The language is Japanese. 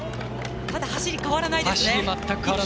走り変わらないですね。